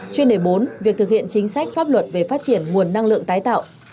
chuyên đề bốn việc thực hiện chính sách pháp luật về phát triển nguồn năng lượng tái tạo